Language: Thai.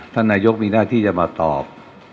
ท่านนายกมีหน้าที่จะมาตอบ